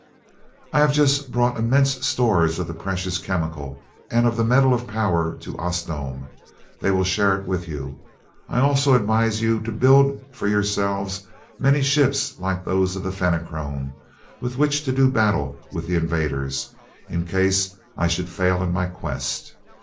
"I have just brought immense stores of the precious chemical and of the metal of power to Osnome. They will share it with you. I also advise you to build for yourselves many ships like those of the Fenachrone, with which to do battle with the invaders, in case I should fail in my quest.